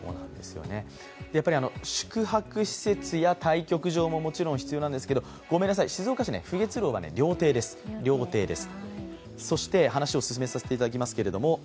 宿泊施設や対局場ももちろん必要なんですが失礼しました、静岡市の浮月楼は料亭です。